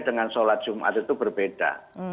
dengan sholat jumat itu berbeda